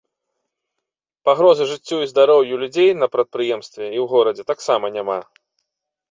Пагрозы жыццю і здароўю людзей на прадпрыемстве і ў горадзе таксама няма.